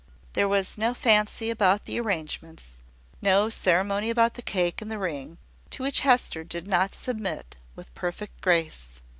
There was no fancy about the arrangements, no ceremony about the cake and the ring, to which Hester did not submit with perfect grace.